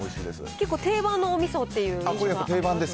結構定番のおみそっていう印象が。